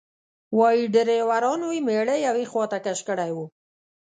وایي ډریورانو یې میړه یوې خواته کش کړی و.